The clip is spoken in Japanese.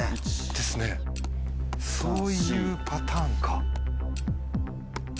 ですねそういうパターンか。